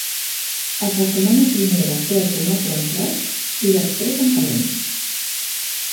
Es recomana primer de fer el fumatge en fred i després en calent.